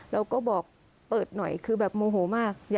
เราก็บอกเปิดหน่อยคือแบบโมโหมาก